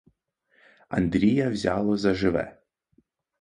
Андрія взяло за живе.